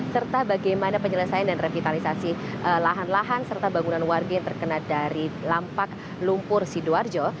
serta bagaimana penyelesaian dan revitalisasi lahan lahan serta bangunan warga yang terkena dari lampak lumpur sidoarjo